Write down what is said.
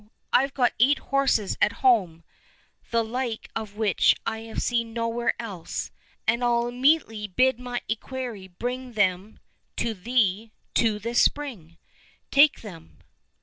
I've got eight horses at home, the like of which I have seen nowhere else, and I'll immediately bid my equerry bring them to thee to this spring — take them."